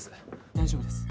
大丈夫です